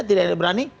tidak ada yang berani